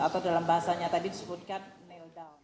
atau dalam bahasanya tadi disebutkan